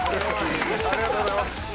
ありがとうございます。